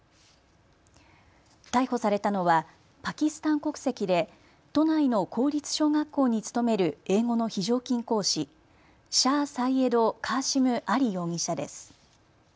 逮捕されたのはパキスタン国籍で都内の公立小学校に勤める英語の非常勤講師、シャー・サイエド・カーシム・アリ容疑者です。